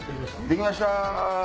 できました！